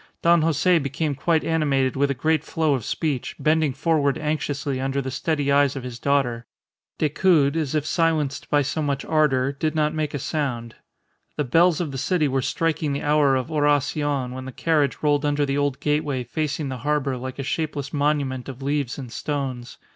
Don Jose became quite animated with a great flow of speech, bending forward anxiously under the steady eyes of his daughter. Decoud, as if silenced by so much ardour, did not make a sound. The bells of the city were striking the hour of Oracion when the carriage rolled under the old gateway facing the harbour like a shapeless monument of leaves and stones.